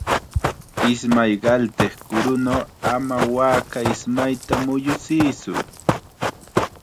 Ismay qaltiq kurunaw ama waaka ismayta muyuchiytsu.